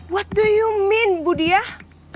what do you mean bu diah